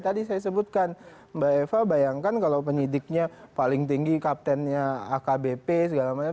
tadi saya sebutkan mbak eva bayangkan kalau penyidiknya paling tinggi kaptennya akbp segala macam